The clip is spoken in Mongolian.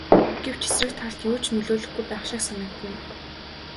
Гэвч эсрэг талд юу ч нөлөөлөхгүй байх шиг санагдана.